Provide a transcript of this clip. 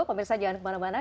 komersan jangan kemana mana